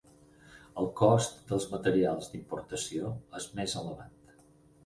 El cost dels materials d'importació és més elevat.